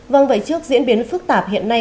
vâng vậy trước diễn biến phức tạp hiện nay